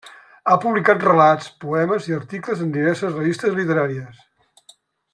Ha publicat relats, poemes i articles en diverses revistes literàries.